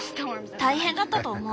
大変だったと思う。